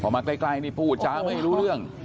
พอมาใกล้พูดว่าไม่รู้เรื่อง